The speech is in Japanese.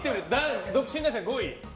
独身男性の５位。